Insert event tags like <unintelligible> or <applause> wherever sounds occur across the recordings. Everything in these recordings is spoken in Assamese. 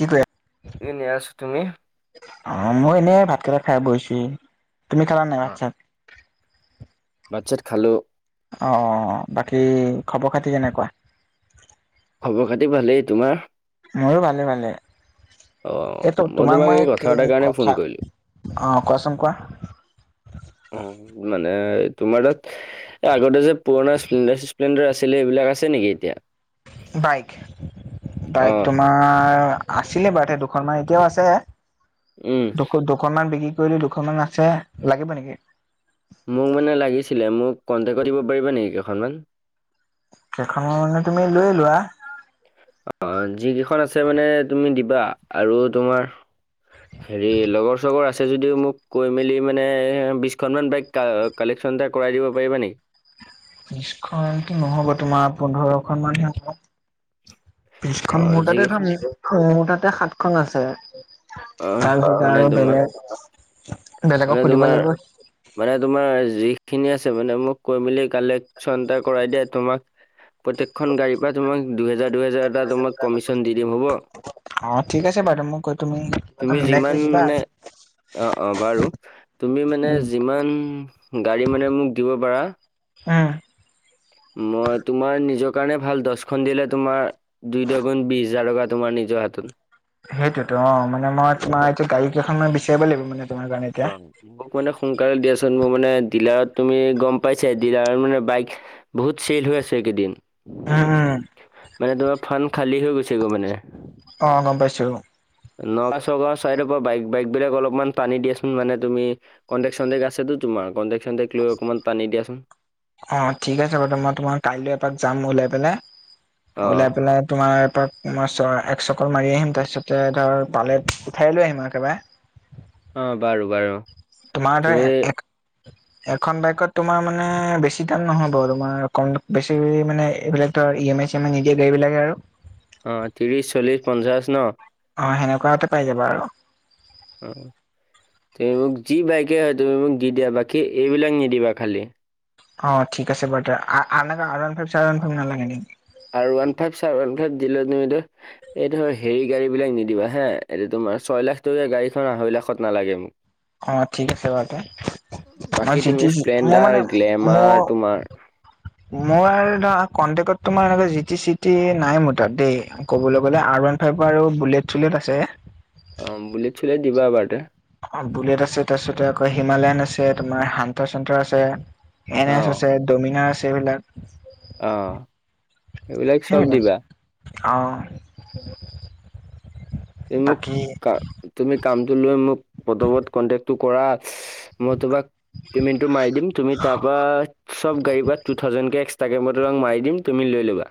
কি কৰি এনে আছোঁ। তুমি? অ', মই এনেই ভাতকেইটা খাই বহিছোঁহি। তুমি খালা নে নাই ভাত অ', চাত? ভাত চাত খালোঁ। অ', বাকী খবৰ খাতি কেনেকুৱা? খবৰ খাতি ভালেই। তোমাৰ? ময়ো ভালে ভালে অ', এইটো তোমাক মই এই কথা কি এটাৰ কাৰণে ফোন কথা, কৰিলো। অ কোৱাচোন কোৱা অ মানে তোমাৰ তাত এ আগতে যে পুৰণা স্প্লেণ্ডাৰ চিপ্লেণ্ডাৰ আছিলে, সেইবিলাক আছে নেকি এতিয়া? বাইক বাইক অ', তোমাৰ আছিলে বাৰু তে দুখনমান এতিয়াও আছে উম, দুখ দুখনমান বিক্ৰী কৰিলো দুখনমান আছে লাগিব নেকি? মোক মানে লাগিছিলে মোক কণ্টেক্ট কৰি দিব পাৰিবা নেকি কেইখনমান কেইখনমান মানে তুমি লৈ লোৱা অ যিকেইখন আছে মানে তুমি দিবা আৰু তোমাৰ <unintelligible> হেৰি লগৰ চগৰ আছে যদিও মোক কৈ মেলি মানে বিশখনমান বাইক কা কালেকচন এটা কৰাই দিব পাৰিবা নেকি? বিশখনটো নহ'ব তোমাৰ পোন্ধৰখন মানহে হ'ব বিশখন অ', মোৰ তাতেটো যিকেইখন মোৰতাতে সাতখন আছে অ', তাৰপিছত মানে আৰু তোমাৰ বেলেগ মানে বেলেগক সুধিব তোমাৰ লাগিব মানে তোমাৰ যিখিনি আছে ছেভেন এমভ কৈ মেলি কালেক শ্বন চন এটা কৰাই দিয়া তোমাক প্ৰত্যেকখন গাড়ীৰ পৰাই তোমাক দুহেজাৰ দুহেজাৰ এটা তোমাক কমিশ্যন দি দিম হ'ব অ ঠিক আছে বাৰু মোককৈ তুমি এটা তুমি মিলাই যিমান কৰি দিবা মানে অ অ বাৰু তুমি মানে উম যিমান গাড়ী মানে মোক দিব পাৰা উম মই তোমাৰ নিজৰ কাৰণে ভাল দশখন দিলে তোমাৰ দুই দহ গুন বিশ হাজাৰ টকা তোমাৰ নিজৰ হাতত সেইটোৱেটো অ মানে মই তোমাৰ এতিয়া গাড়ী কেইখনমান বিচাৰিব লাগিব মানে তোমাৰ কাৰণে এতিয়া অ মোক মানে সোনকালে দিয়াচোন মোৰ মানে ডিলাৰত তুমি গম পাইছাই ডিলাৰত মানে বাইক বহুত চেল হৈ আছে এইকেইদিন উম মানে তোমাৰ ফাণ্ড খালী হৈ গৈছে গৈ মানে অ গম পাইছো। নগাঁও চগাঁৱৰ চাইডৰ পৰা বাইক বাইক বিলাক অলপমান টানি দিয়াচোন মানে তুমি, কণ্টেক চন্টেক আছে টো তোমাৰ কণ্টেক চন্টেক লৈ অকনমান টানি দিয়াচোন। অ ঠিক আছে বাৰু ত মই তোমাক কাইলৈ এপাক যাম ওলাই পেলাই অ ওলাই পেলাই তোমাৰ এপাক মই চৰ এক চক্কৰ মাৰি আহিম তাৰপিছত ধৰ পালে উঠাই লৈ আহিম আৰু একেবাৰে অ বাৰু বাৰু তোমাৰ তুমি তাত এক এক এখন বাইকত তোমাৰ মানে বেছি দাম নহব তোমাৰ কম বেছি মানে এইবিলাক তৰ M I C M I নিদিয়া গাড়ি বিলাকে আৰু অঁ ত্ৰিছ, চল্লিছ, পঞ্চাছ ন অ সেনেকুৱাতে পাই যাবা আৰু অ তুমি মোক যি বাইকে হয় তুমি মোক দি দিয়া, বাকী এইবিলাক নিদিবা খালী অ ঠিক আছে বাৰু দে আ আনেকা আৰ্ৱান ফিকচাৰ খন নালাগে নেকি R one five sir, one five দিলে নিদে এইটো ধৰ হেৰি গাড়ী বিলাক নিদিবা হা এইটো তোমাৰ ছয় লাখ টকীয়া গাড়ীখন আঢ়ৈ লাখত নালাগে মোক অঁ, ঠিক আছে বাৰু দে। বাকী মই যি তুমি টি যি। মই স্প্লেণ্ডাৰ মানে, গ্লেমাৰ তোমাৰ মোৰ মোৰ আৰু ধৰা কণ্টেকত তোমাৰ এই জি টি চিটি নাই মোৰ তাত দেই। ক'বলৈ গ'লে আৰ ওৱান ভাইপা আৰু বুলেট চুলেট আছে। অঁ, বুলেত-চুলেত দিবা এবাৰতে। অঁ বুলেত আছে, তাৰপিছতে আকৌ হিমালয়ান আছে, তোমাৰ শান্তাৰ-চান্তৰ আছে। এন অ এছ আছে, ডমিনাৰ আছে। এইবিলাক- অঁ, এইবিলাক চব দিবা। অঁ। এই মোক কা তুমি কামটো লোৱা, মোক প্ৰথমত কন্টেকটো কৰা। মই তোমাক পেমেণ্টটো মাৰি দিম। তুমি তাৰপৰা, চব্‌ গাড়ীৰ পৰা টু থাওজেনকে তাকে, মই তোমাক মাৰি দিম। তুমি লৈ ল'বা।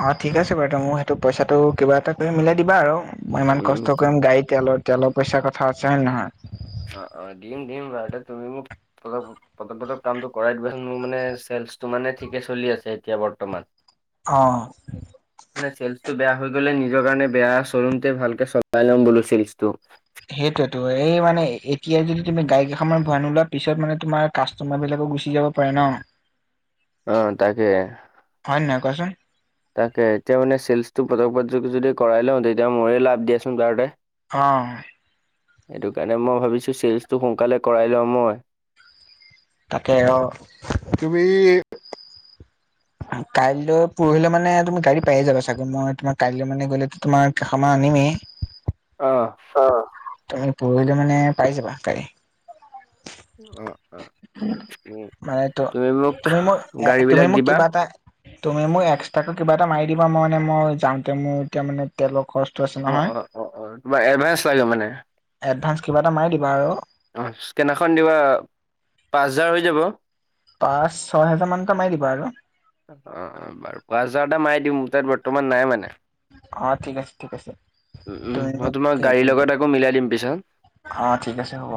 অঁ ঠিক আছে বাৰু। এইটো, মোৰ সেইটো পইচাটো কিবা এটা তুমি মিলাই দিবা আৰু। মই ইমান উম কষ্ট কৰিম গাড়ীত তেলৰ, তেলৰ পইচাৰ কথা আছে, হয় নহয়? চা, অ- দিম, দিম ৰাই দা। তুমি মোক অলপ পতক-পটক কামটো কৰাই দিবাচোন। মোৰ মানে, চেলচটো মানে ঠিকেই চলি আছে এতিয়া বৰ্তমান। অঁ নে চেলছটো বেয়া হৈ গ'লে নিজৰ কাৰণে বেয়া। শ্ব ৰুমতে ভালকে চোৱাই ল'ম বোলো চেলছটো। সেইতোয়েইটো, এই মানে এতিয়াই যদি তুমি গাড়ী কেইখনমান ভৰাই নোলোৱা পিছত মানে তোমাৰ কাষ্টমাৰ বিলাকো গুচি যাব পাৰে ন? অঁ, তাকে। হয় নে নহয় কোৱাচোন তাকে, এতিয়া মানে চেলচছটো পতক পটক যদি কৰাই লওঁত তেতিয়া মোৰে লাভ দিয়াচোন। কাৰতে অঁ সেইটো কাৰণে মই ভাৱিছোঁ চেলছ্‌টো সোনকালে কৰাই লওঁ মই। তাকে অঁ, তুমি কাইলৈ- পৰহিলৈ মানে তুমি গাড়ী পায়ে যাবা চাগৈ? মই তোমাৰ কাইলৈ মানে গ'লে তোমাৰ কেইখনমান আনিমেই। অঁ। অঁ, তুমি পৰহিলৈ মানে পাই যাবা গাড়ী। অ, অ, ওঁ মানে ত তুমি মোক তুমি এ গাড়ী তুমি বিলাক মোক দিবা। কিবা এটা তুমি মোক এক্সট্ৰাকে কিবা এটা মাৰি দিবা। মই নে মই যাওঁতে, মোৰ এতিয়া মানে তেলৰ খৰচটো আছে অ', নহয়। অ', অ', অ', তোমাৰ এডভান্স লাগে মানে এৰ্ডভাঁস্‌ কিবা এটা মাৰি দিবা আৰু। অঁ, স্কেনাৰখন দিবা। পাঁচ হোজাৰ হৈ যাব? পাঁচ, ছয় হেজাৰ মানটে মাৰি দিবা আৰু। অঁ, অঁ বাৰু পাঁচ হাজাৰটে মাৰি দিম। মোৰ তাত বৰ্তমান নাই মানে। উম, অ ঠিক আছে ঠিক আছে উম। তুমি মই মোক তোমাক গাড়ীৰ লগত আকৌ মিলাই দিম পিছত। অঁ, ঠিক আছে, হ'ব।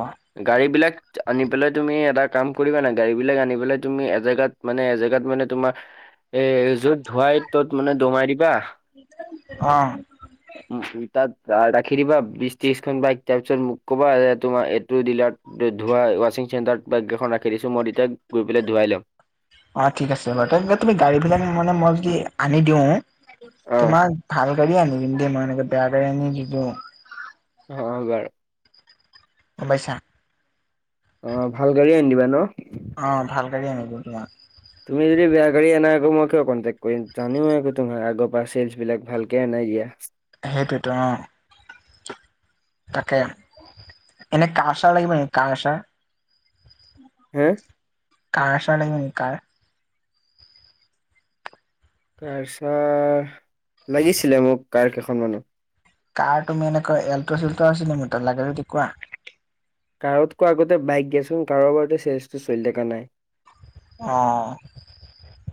গাড়ী বিলাক আনি পেলাই তুমি এটা কাম কৰিবা না। গাড়ী বিলাক আনি পেলাই তুমি এজেগাত, মানে এজেগাত মানে তোমাৰ এ এ যত ধোৱাই তত্‌ মানে দমাই দিবা। অঁ। উম, তাত ৰা-ৰাখি দিবা, বিশ-ত্ৰিশখন বাইক। তাৰপিছত মোক কবা। তোমাৰ এত তোৰ ডিলাৰত, ধোৱা, ৱা্ছিং চেণ্টাৰত বাইক কেইখন ৰাখি দিছোঁ। মই এতিয়াই গৈ পেলাই ধোৱাই ল'ম। অঁ, ঠিক আছে বাৰু। তে তুমি গাড়ী বিলাক মানে, মই যদি আনি দিওঁ অ', তোমাক ভাল গাড়ী আনি দিম দেই। মই এনেকে বেয়া গাড়ী আনি নিদিওঁ। <unintelligible> গম পাইছা? অ, ভাল গাড়ী আনি দিবা ন? অঁ ভাল গাড়ী আনি দিম তোমাক। তুমি যদি বেয়া গাড়ী আনা আকৌ মই কিয় কনটেক্ কৰিম। জানিও <unintelligible> তোমাৰ আগৰ পৰা চেলচ বিলাক ভালকে আনাই দিয়া। সেইটোৱেতো অ। তাকে, এনে কা চাৰ লাগিব নেকি? কাৰ চাৰ? হে? কাৰ চাৰ লাগিব নেকি, কাৰ? কাৰ ছাৰ লাগিছিলে মোক কাৰ কেইখনমানো। কাৰ তুমি এনেকৈ এল্ট সেলট' আছিলে মোৰ তাত। লাগে যদি কোৱা? কাৰতকৈ আগতে বাইক দিয়াচোন। কাৰৰ বাৰতে চেজটো চলি থাকা নাই। আ।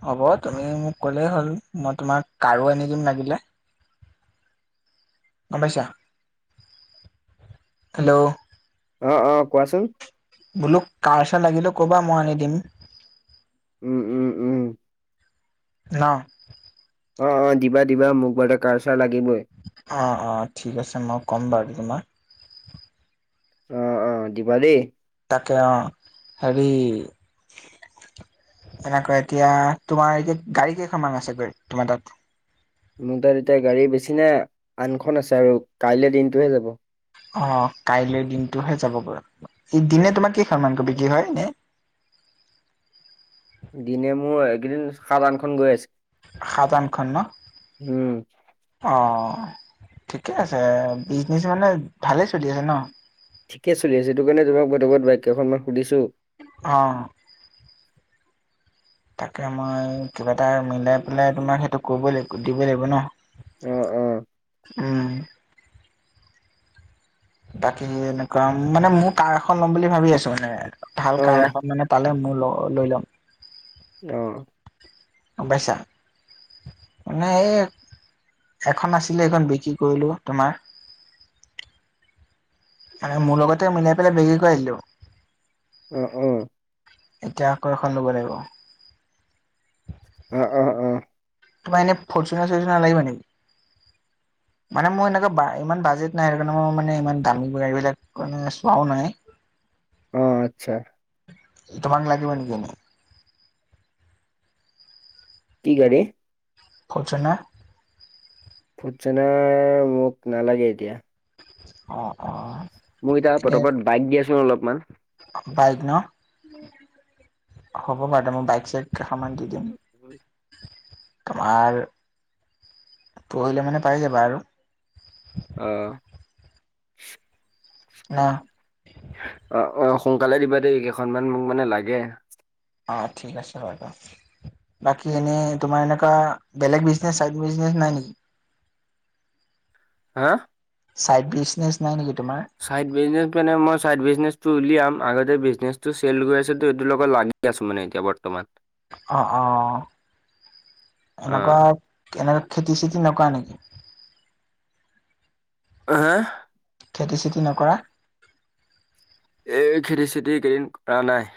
হ'ব, তুমি মোক কলেই হ'ল মই তোমাৰ কাৰো আনি দিম লাগিলে। গম পাইছা? হেল্ল'! অ, অ। কোৱাচোন? বোলো কাৰ চাৰ লাগিলে ক'বা? মই আনি দিম। উম, উম, উম। ন? অ অ, দিবা দিবা। মোক বাৰতে কাৰ চাৰ লাগিবই। অ অ, ঠিক আছে মই ক'ম বাৰু তোমাক। অ অ, দিবা দেই। তাকে অ হেৰি এনেকৈ এতিয়া তোমাৰ এতিয়া গাড়ী কেইখনমান আছে গৈ? তোমাৰ তাত? মোৰ তাত এতিয়া গাড়ী বেছি নাই। আনখন আছে আৰু কাইলে দিনটোহে যাব। অ কাইলৈ দিনটোহে যাব পাৰ। ই দিনে তোমাৰ কেই খন মানকে বিক্ৰী হয় ইনে? দিনে মোৰ এইকেইদিন সাত আঠখন গৈ আছে। সাত, আঠখন ন? উম অ, ঠিকে আছে। বিজনেচ মানে ভালেই চলি আছে ন। ঠিকে চলি আছে। সেইটো কাৰণে ধৰক <unintelligible> বাইক কেইখনমান সুধিছো। অ। তাকে মই কিবা এটা মিলাই পেলাই তোমাক সেইটো কৰিবই লাগিব দিবই লাগিব ন? অ', অ', উম। বাকী এনেকুৱা মানে মোৰ কাৰ এখন ল'ম বুলি ভাবি আছো মানে। ভাল অ', কাৰ এখন মানে পালে মো ল লৈ ল'ম। অ। গম পাইছা? মানে এ এখন আছিলে, এইখন বিক্ৰী কৰিলো তোমাৰ। মোৰ লগতে মিলাই পেলাই বেগি কৰাই দিলো। অ, অ। এতিয়া আকৌ এখন ল'ব লাগিব। অ, অ, অ। তোমাক এনে ফৰ্চুনাৰ ছৰৰ্চুনাৰ লাগিব নেকি? মানে মোৰ এনেকুৱা বা ইমান বাজেট নাই আৰু। সেইকাৰণে মও মানে ইমান দামী গাড়ী বিলাক মানে চোৱাও নাই। অ, আচ্ছা। তোমাক লাগিব নেকি এনেই। কি গাড়ী। ফলচনা। ফৰ্চুনাৰ মোক নালাগে এতিয়া। অ অ। মোৰ এতিয়া এনে পটাপত বাইক দিয়াছোন অলপমান। বাইক ন হ'ব বাৰু দে মোৰ বাইক চাইট। কাষত মাত দি দিয়ক। তোমাৰ পৰহিলে মানে পাই যাবা আৰু। অ। অ। অ অ সোনকালে দিবা দেই কেইখনমান মোক মানে লাগে। অঁ ঠিক আছে বাৰু। বাকী এনেই তোমাৰ এনেকুৱা বেলেগ বিজনেচ চাইড বিজনেচ নাই নেকি? হা। চাইড বিজনেছ নাই নেকি তোমাৰ? চাইড বিজনেছ মানে মই চাইড বিজনেছটো উলিয়াম আগতে বিজনেছটো চেল গৈ আছেতো এইটো লগত লাগি। দি আছো মানে এতিয়া বৰ্তমান। অ অ এনেকুৱা অ এনেকুৱা খেতি চেতি নকৰা নেকি? হে? খেতি চেতি নকৰা? এই খেতি চেতি কেইদিন কৰা নাই।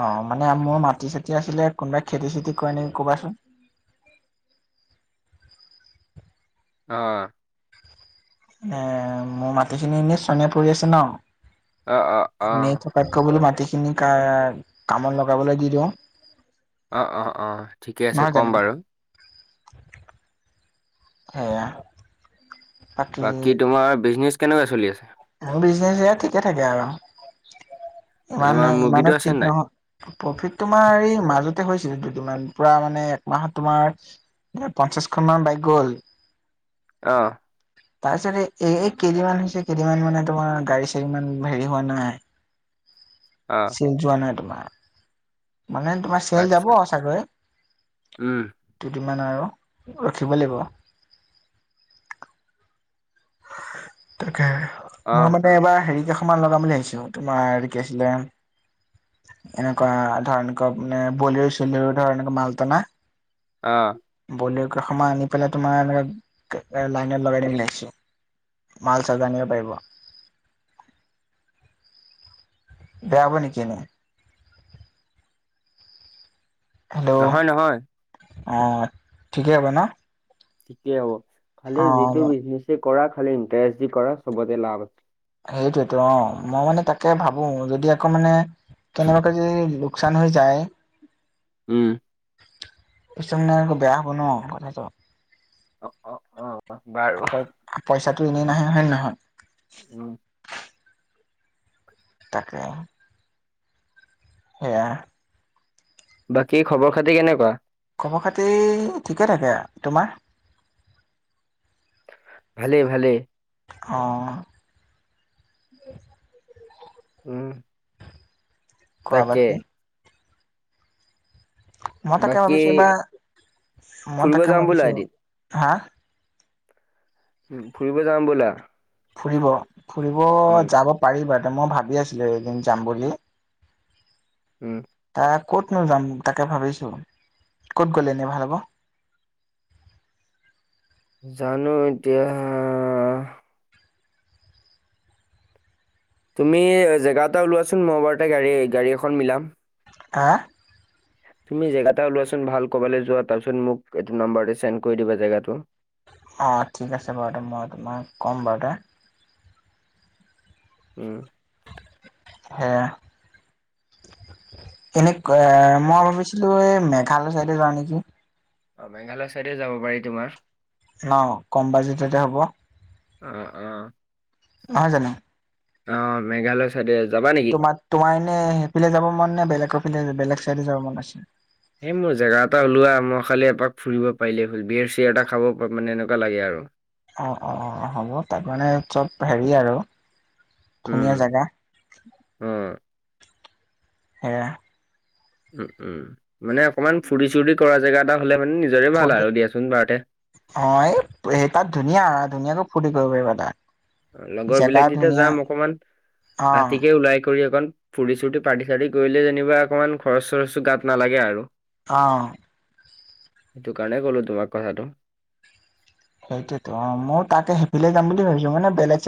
অ মানে আম‌‌ও মাটি চাতি আছিলে কোনোবাই খেতি চেতি কৰে নেকি কবাচোন? অ। এ মোৰ মাটিখিনি এনে চনে পৰি আছে ন। অ অ অ। বাইক মাটিখিনি কামত লগাবলৈ দি দিওঁ। অঁ অঁ অঁ ঠিকে আছে নহয় ক'ম জানো বাৰু। সেয়া। বাকী তোমাৰ বিজনেচ কেনেকুৱা চলি আছে? বিজনে ঠিকে থাকে আৰু ইমান তোমাৰ মুৰ্গীটো ইমানো আছে ঠিক নাই নহয়। প্ৰফিট তোমাৰ এই মাজতে হৈছিলে যদি পুৰা মানে একমাহত তোমাৰ। দে পঞ্চিছখন মান বাইক গ'ল। অ। তাৰ পিছত এই কেইদিন মান হৈছে। মই মানে তোমাৰ গাড়ী চাড়ী ইমান হেৰি হোৱা অ নাই। যোৱা নাই তোমাৰ মানে তোমাৰ চেল যাব আচ্ছা চাগৈ। উম দুদিনমান আৰু ৰখিব লাগিব। তাকে অ মই মানে এবাৰ হেৰি কেইখনমান লগাম বুলি ভাৱিছো তোমাৰ কি আছিলে। এনেকুৱা ধৰ মানে বল চল ধৰ মাল টনা। অ। বলেৰো কেইখনমান আনি পেলাই তোমাৰ লাইনত লগাই দিম ভাৱিছো। মাল চাল টানিব পাৰিব। বেয়া হব নেকি এনেই? হেল্ল' নহয় নহয় অঁ ঠিকেই হ'ব ন? ঠিকেই হ'ব খালী যিটো অ বিজনেচে কৰা খালী ইন্টাৰেষ্ট দি কৰা চবতে লাভ আছে। সেইটোয়েতো অঁ মই মানে তাকে ভাবো যদি আকৌ মানে কেনেবাকৈ যদি লোকচান হৈ যায় উম। পিছত মানে আকৌ বেয়া হ'ব ন কথাটো। অ অ অ বাৰু প পইচাটো এনেই নাহে হয় নে নহয়? উম। তাকে। সেয়া। বাকী খবৰ খাতি কেনেকুৱা? খবৰ খাতি ঠিকে থাকে। তোমাৰ? ভালেই ভালেই। অহ উম। কোৱা তাকে বাকী? মই তাকে বাকী ভাবিছো এইবাৰ মই ফুৰিব তাকে যাম ব'লা ভাবিছো। এদিন হা? ফুৰিব যাম ব'লা। ফুৰিব, ফুৰিব উম যাব পাৰি বাৰু দেই মই ভাবি আছিলো এদিন যাম বুলি। উম। তাৰ ক'তনো যাম, তাকে ভাবিছো। ক'ত গ'লে এনেই ভাল হ'ব? জানো এতিয়া তুমি জেগা এটা উলোৱা চোন, মই বাৰুতে গাড়ী এখন মিলাম। হা? তুমি জেগা এটা উলোৱা চোন। ভাল কৰবিলৈ যোৱা। তাৰপিছত মোক এইটো নম্বৰ চেণ্ড কৰি দিবা, যেগাতো। অঁ, ঠিক আছে বাৰু তে, মই তোমাক ক'ম বাৰু তে। উম। হেৰা এনে মই ভাবিছিলো, এই মেঘালয় চাইডে যাওঁ নেকি। অ, মেঘালয় চাইডে যাব পাৰি তোমাৰ। ন, কম বাজেটতে হ'ব। অ অ। নহয় জানো? অঁ, মেঘালয় চাইডে যাবা নেকি? তোমাৰ তোমাৰ এনে সেইফালে যাব মন নে, বেলেগফালে, বেলেগ চাইডে যাব মন আছিল? সেই মোৰ বাবে জেগা এটা উলোৱা। মই খালি এপাক ফুৰিব পাৰিলে হ'ল। বিৱেৰ চিৱেৰ এটা খাব এনেকুৱা লাগে আৰু। অ', অ, হ'ব। তাত মানে চব হেৰি আৰু ধুনীয়া উম জেগা। অ', সেয়া। উম উম, মানে অকণমান ফূৰ্তি চূৰ্তি কৰিব পৰা জেগা এটা হ'লে নিজৰে ভাল ফূৰ্তি আৰু দিয়া‌চোন বাৰুতে অ', এই এই, তাত ধুনীয়া ধুনীয়াকৈ ফূৰ্তি কৰিব পাৰিবা তাত। জেগা লগৰবিলাক তেতিয়া ধুনীয়া যাম অকণমান অ ৰাতিলৈ ওলাই কৰি অকণ ফূৰ্তি চূৰ্তি, পাৰ্টি চাৰ্টি কৰিলে যেনিবা অকণমান খৰচ চৰচো গাত নালাগে আৰু। অঁ। সেইটো কাৰণে ক'লো তোমাক কথাটো। সেইটোতো অঁ মই তাকে সেইফালে যাম বুলি ভাবিছোঁ মানে বেলেগ চাইডে